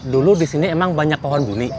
dulu disini emang banyak pohon buni